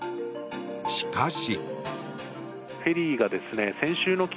しかし。